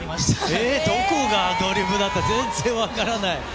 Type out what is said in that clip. えー、どこがアドリブなのか、全然分からない。